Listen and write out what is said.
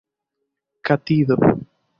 katido